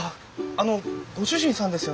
あのご主人さんですよね？